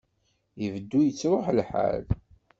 Ibeddu ittṛuḥ lḥal.